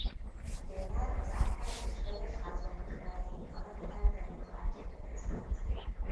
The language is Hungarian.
A dénár az Árpád- és vegyes-házbeli királyaink alatt elterjedt váltópénz volt.